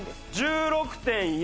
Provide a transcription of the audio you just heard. １６．４。